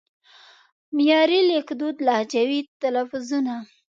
معیاري لیکدود لهجوي تلفظونه